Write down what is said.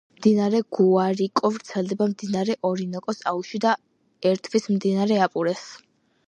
მდინარე გუარიკო ვრცელდება მდინარე ორინოკოს აუზში და ერთვის მდინარე აპურეს.